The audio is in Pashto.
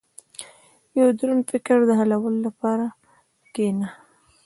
• د یو دروند فکر د حلولو لپاره کښېنه.